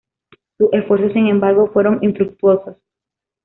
Sus esfuerzos, sin embargo, fueron infructuosos.